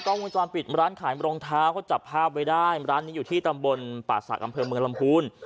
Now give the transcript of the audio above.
วงจรปิดร้านขายรองเท้าเขาจับภาพไว้ได้ร้านนี้อยู่ที่ตำบลป่าศักดิ์อำเภอเมืองลำพูน